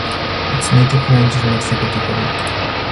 Its native range is Mexico to Peru.